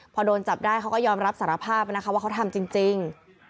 พอโดนจับได้เขาก็ยอมรับสารภาพนะคะว่าเขาทำจริง